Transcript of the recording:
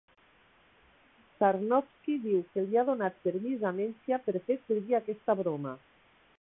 Sarnowski diu que li ha donat permís a Mencia per fer servir aquesta broma.